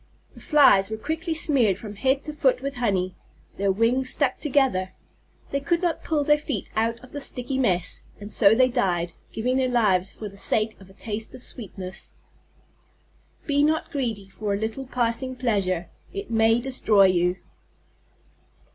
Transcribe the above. The Flies were quickly smeared from head to foot with honey. Their wings stuck together. They could not pull their feet out of the sticky mass. And so they died, giving their lives for the sake of a taste of sweetness. _Be not greedy for a little passing pleasure. It may destroy you.